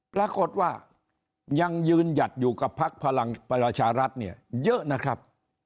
ปรากฏว่ายังยืนหยัดอยู่กับพักพลังประชารัฐเนี่ยเยอะนะครับ